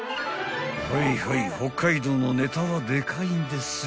［はいはい北海道のネタはでかいんです］